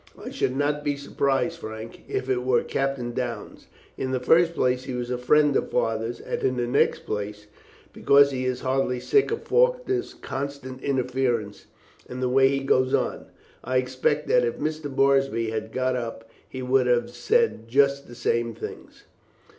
"I should not be surprised, Frank, if it were Captain Downes. In the first place, he was a friend of Father's, and in the next place, because he is heartily sick of Faulkner's constant interference and the way he goes on. I expect that if Mr. Moorsby had got up he would have said just the same things."